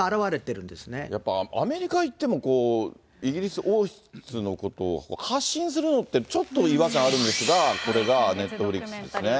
やっぱアメリカ行っても、イギリス王室のことを発信するのって、ちょっと違和感あるんですが、これがネットフリックスですね。